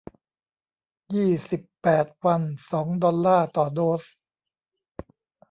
ยี่สิบแปด วัน สอง ดอลลาร์ต่อโดส